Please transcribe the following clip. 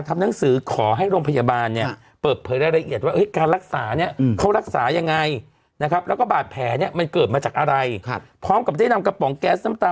มันเกิดมาจากอะไรครับพร้อมกับได้นำกระป๋องแก๊สน้ำตา